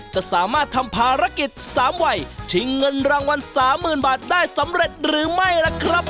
จะสามารถทำภารกิจ๓วัยชิงเงินรางวัลสามหมื่นบาทได้สำเร็จหรือไม่ล่ะครับ